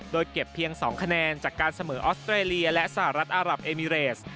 โดยเก็บเพียง๒คะแนนจากการเสมอออสเตรเลียและสหรัฐอารับเอมิเรส